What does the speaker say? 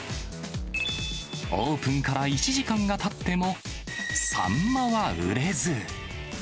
オープンから１時間がたっても、サンマは売れず。